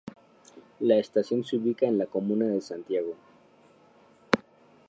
La estación se ubica en la comuna de Santiago.